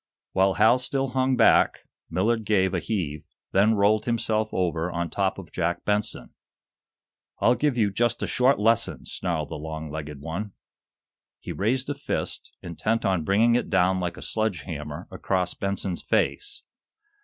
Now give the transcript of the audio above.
While Hal still hung back, Millard gave a heave, then rolled himself over on top of Jack Benson. "I'll give you just a short lesson!" snarled the long legged one. He raised a fist, intent on bringing it down like a sledge hammer across Benson's face.